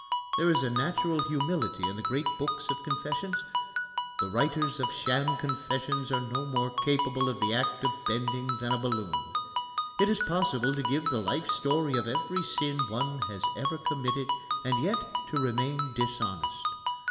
There is a natural humility in the great books of confessions: the writers of sham confessions are no more capable of the act of bending than a balloon. It is possible to give the life story of every sin one has ever committed and yet to remain dishonest.